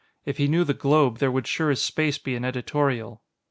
If he knew the Globe, there would sure as Space be an editorial.